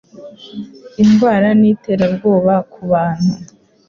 Indwara ni iterabwoba ku bantu.